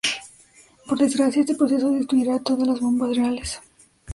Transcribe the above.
Por desgracia, este proceso destruiría todas las bombas reales.